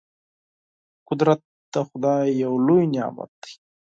قدرت د خدای یو لوی نعمت دی.